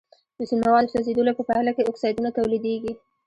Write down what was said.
د سون موادو سوځیدلو په پایله کې اکسایدونه تولیدیږي.